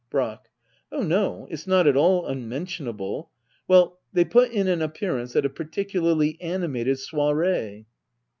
Brack. Oh no, it's not at all unmentionable. Well, they put in an appearance at a particularly ani mated soiree.